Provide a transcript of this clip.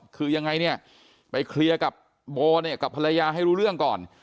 คือยังไงเนี่ยไปเคลียร์กับโบเนี่ยกับภรรยาให้รู้เรื่องก่อน